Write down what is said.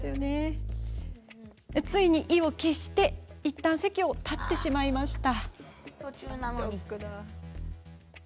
ついに途中で意を決しいったん席を立ってしまいました。